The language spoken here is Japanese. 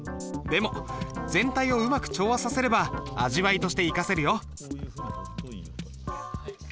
でも全体をうまく調和させれば味わいとして生かせるよ。